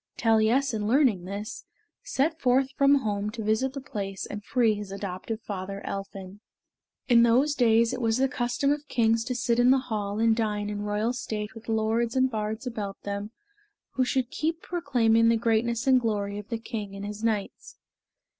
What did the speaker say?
Taliessin learning this, set forth from home to visit the palace and free his adoptive father, Elphin. In those days it was the custom of kings to sit in the hall and dine in royal state with lords and bards about them who should keep proclaiming the greatness and glory of the king and his knights.